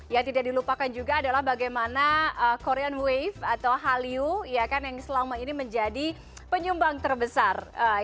yang tidak dilupakan juga adalah bagaimana korean wave atau hallyu yang selama ini menjadi penyumbang terbesar